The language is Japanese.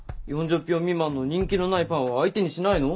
４０票未満の人気のないパンは相手にしないの？